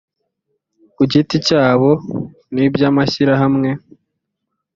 ku giti cyabo n iby amashyirahamwe